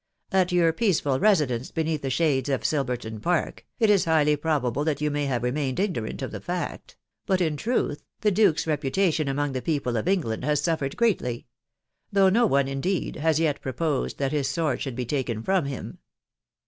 At your peaceful residence beneath die shades of Silvcrton Park, it is highly probable that you may have re mained ignorant of the fact ; but, in truth, the Duke's reput ation among the people of England has suffered greatly; though no one, indeed, has yet proposed that his sword should be taken from him.